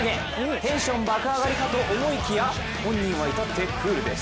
テンション爆上がりかと思いきや、本人はいたってクールです。